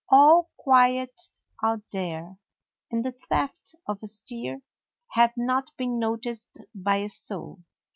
All quiet out there, and the theft of a steer had not been noticed by a soul.